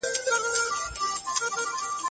پلار د خدای تعالی یو لوی نعمت دی چي قدر یې پکار دی.